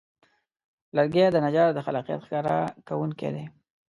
لرګی د نجار د خلاقیت ښکاره کوونکی دی.